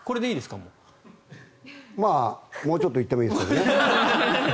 もうちょっと言ってもいいですけどね。